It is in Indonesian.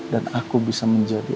dan aku bisa menjadi